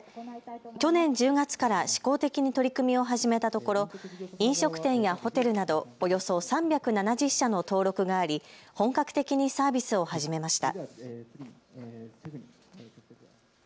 去年１０月から試行的に取り組みを始めたところ飲食店やホテルなどおよそ３７０社の登録があり本格的にサービスを始めました。